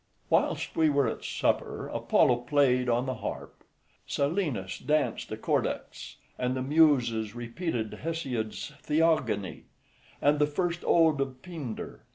Whilst we were at supper, Apollo played on the harp, Silenus danced a cordax, and the Muses repeated Hesiod's Theogony, and the first Ode of Pindar.